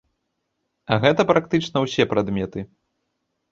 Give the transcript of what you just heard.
А гэта практычна ўсе прадметы.